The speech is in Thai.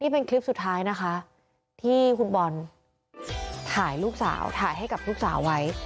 เป็นคลิปสุดท้ายนะคะที่คุณบอลถ่ายลูกสาวถ่ายให้กับลูกสาวไว้